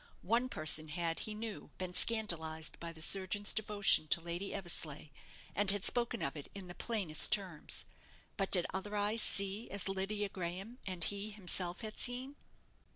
One person had, he knew, been scandalized by the surgeon's devotion to Lady Eversleigh; and had spoken of it in the plainest terms. But did other eyes see as Lydia Graham and he himself had seen?